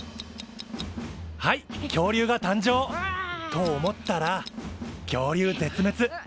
はい恐竜が誕生！と思ったら恐竜絶滅。